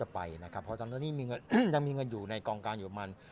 ไปเฉียงใหม่